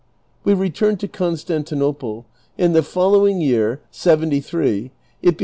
We returned to Constantinople, and the following year, seventy three, it be